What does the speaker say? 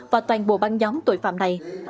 và toàn bộ băng nhóm tội phạm này